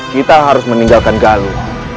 kita harus meninggalkan galuh